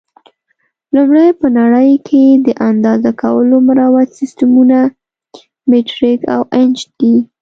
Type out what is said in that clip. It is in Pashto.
لومړی: په نړۍ کې د اندازه کولو مروج سیسټمونه مټریک او انچ دي.